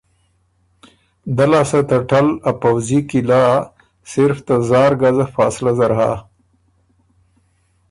دۀ لاسته ته ټل ا پؤځي قلعه صرف ته زار ګزه فاصلۀ زر هۀ۔